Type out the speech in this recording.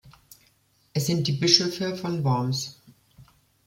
Es sind die Bischöfe von Worms.